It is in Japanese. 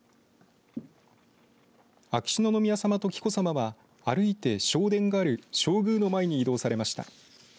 秋篠宮さまと紀子さまは歩いて正殿がある正宮の前に移動されました。